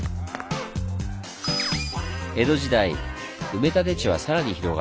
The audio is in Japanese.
江戸時代埋め立て地はさらに広がり